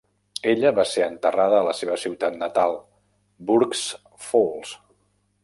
Ella va ser enterrada a la seva ciutat natal Burk"s Falls.